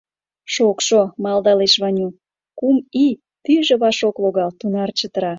— Шокшо... — малдалеш Ваню, Кум И, пӱйжӧ ваш ок логал, тунар чытыра.